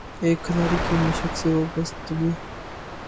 ایک کھلاڑی کی مشق سے وابستگی